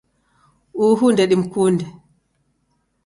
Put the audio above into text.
Uhu ndedimkunde.